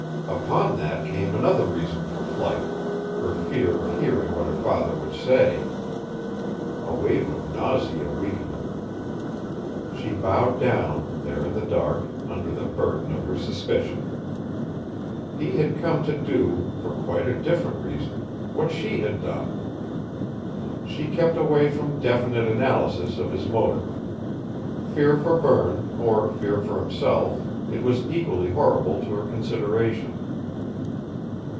Upon that came another reason for flight, her fear of hearing what her father would say. A wave of nausea weakened her. She bowed down, there in the dark, under the burden of her suspicion: he had come to do, for quite a different reason, what she had done! She kept away from definite analysis of his motive. Fear for Berne, or fear for himself, it was equally horrible to her consideration.